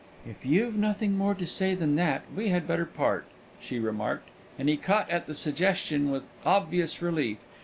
"If you've nothing more to say than that, we had better part," she remarked; and he caught at the suggestion with obvious relief.